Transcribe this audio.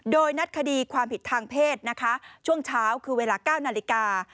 โดยนัดคดีความผิดทางเพศนะคะช่วงเช้าคือเวลา๙นาฬิกา